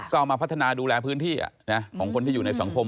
ก็เอามาพัฒนาดูแลพื้นที่ของคนที่อยู่ในสังคม